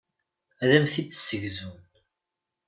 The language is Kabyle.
Ad am-t-id-ssegzun.